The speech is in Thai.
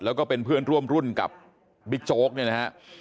แล้วก็เป็นเพื่อนร่วมรุ่นกับบิ๊กโจ๊กเนี่ยนะฮะ